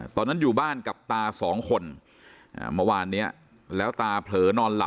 ตอนนั้นอยู่บ้านกับตาสองคน